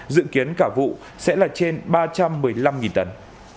dự kiến cả vụ sẽ là trên ba trăm một mươi năm tấn